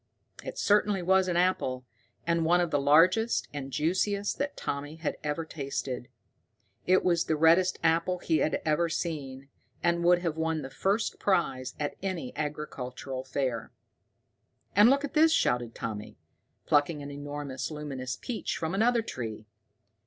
It certainly was an apple, and one of the largest and juiciest that Tommy had ever tasted. It was the reddest apple he had ever seen, and would have won the first prize at any agricultural fair. "And look at this!" shouted Tommy, plucking an enormous luminous peach from another tree.